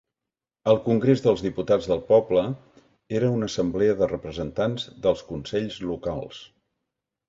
El Congrés dels Diputats del Poble era una assemblea de representants dels consells locals.